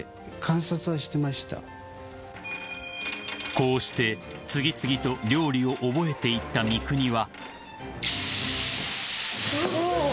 ［こうして次々と料理を覚えていった三國は］